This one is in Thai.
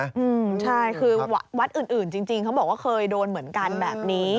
ใช่คือวัดอื่นจริงเขาบอกว่าเคยโดนเหมือนกันแบบนี้